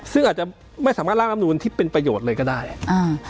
ซึ่งอาจจะไม่สามารถร่างลำนูนที่เป็นประโยชน์เลยก็ได้อ่า